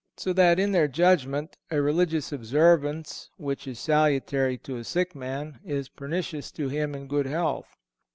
So that, in their judgment, a religious observance which is salutary to a sick man is pernicious to him in good health.